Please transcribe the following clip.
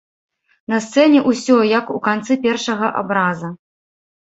На сцэне ўсё, як у канцы першага абраза.